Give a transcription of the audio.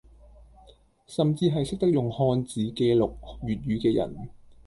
甚至係識得用漢字記錄粵語嘅人